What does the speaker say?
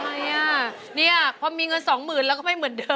หว่ั้ยนี่พอมีเงินสองหมื่นก็ไม่เหมือนเดิม